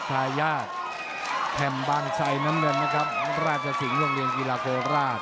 ทายาทแคมป์บางชัยน้องเงินนะครับราชสิงห์โรงเรียนกีฬาเกอร์ราช